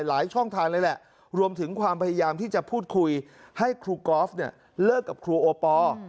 ช่องทางเลยแหละรวมถึงความพยายามที่จะพูดคุยให้ครูกอล์ฟเนี่ยเลิกกับครูโอปอล์